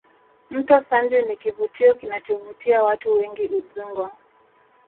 mto sanje ni kivutio kinachovutia watu wengi udzungwa